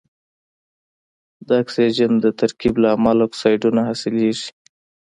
د اکسیجن د ترکیب له امله اکسایدونه حاصلیږي.